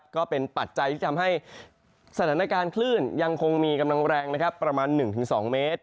ปัจจัยที่ทำให้สถานการณ์คลื่นยังคงมีกำลังแรงนะครับประมาณ๑๒เมตร